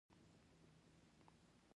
ګولایي د دایروي او انتقالي برخو څخه جوړه ده